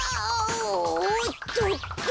おっとっと。